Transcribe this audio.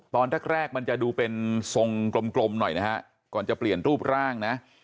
ตอนแรกแรกมันจะดูเป็นทรงกลมหน่อยนะฮะก่อนจะเปลี่ยนรูปร่างนะ